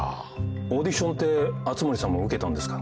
オーディションって熱護さんも受けたんですか？